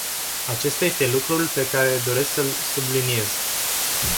Acesta este lucrul pe care doresc să-l subliniez.